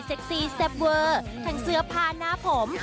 ซี่แซ่บเวอร์ทั้งเสื้อผ้าหน้าผม